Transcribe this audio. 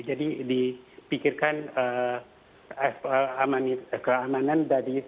jadi dipikirkan keamanan